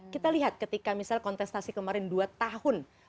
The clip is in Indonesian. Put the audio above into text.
kita lihat ketika misalnya kontestasi kemarin dua tahun